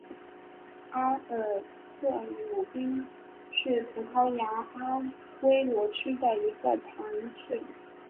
阿尔克鲁宾是葡萄牙阿威罗区的一个堂区。